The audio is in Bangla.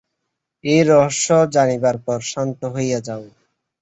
এই রহস্য জানিবার পর শান্ত হইয়া যাও।